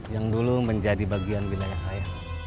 yang dulu menjadi bagian wilayah saya